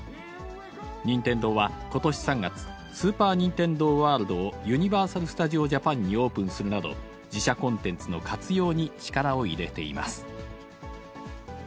任天堂は、ことし３月、スーパー・ニンテンドー・ワールドを、ユニバーサル・スタジオ・ジャパンにオープンするなど、自社コンテンツの活用に力を入れています。